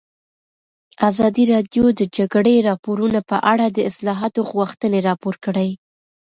ازادي راډیو د د جګړې راپورونه په اړه د اصلاحاتو غوښتنې راپور کړې.